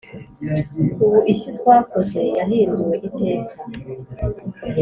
ubu isi twakoze yahinduwe iteka…